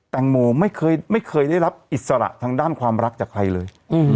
แตงโมไม่เคยได้รับอิสระทางด้านความรักจากใครเลย